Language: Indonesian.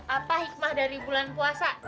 apa hikmah dari bulan puasa